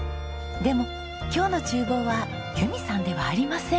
でも今日の厨房は由美さんではありません。